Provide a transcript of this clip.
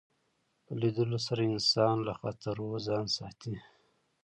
په لیدلو سره انسان له خطرو ځان ساتي